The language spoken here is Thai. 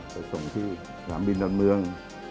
ไปส่งที่สนามบินดอนเมือง